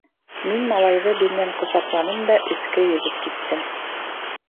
Мин малайҙы биленән ҡосаҡланым да өҫкә йөҙөп киттем.